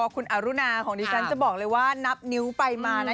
คุณอรุณาของดิฉันจะบอกเลยว่านับนิ้วไปมานะ